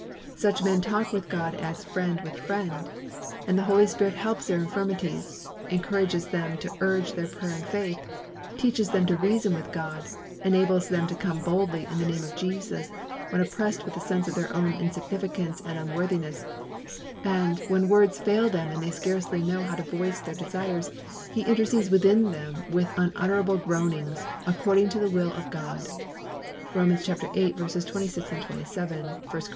Such men talk with God as friend with friend, and the Holy Spirit helps their infirmities; encourages them to urge their prayer in faith; teaches them to reason with God; enables them to come boldly in the name of Jesus, when oppressed with a sense of their own insignificance and unworthiness; and, when words fail them and they scarcely know how to voice their desires, He intercedes within them with unutterable groanings, according to the will of God (Romans viii. 26, 27; 1 Cor.